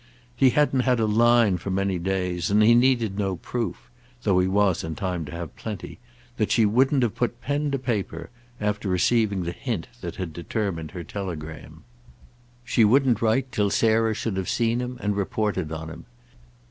He hadn't had a line for many days, and he needed no proof—though he was, in time, to have plenty—that she wouldn't have put pen to paper after receiving the hint that had determined her telegram. She wouldn't write till Sarah should have seen him and reported on him.